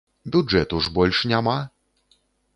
Бюджэту ж больш няма!